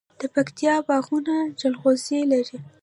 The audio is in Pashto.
د پکتیکا باغونه جلغوزي لري.